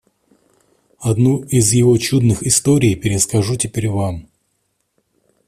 Одну из его чудных историй перескажу теперь вам.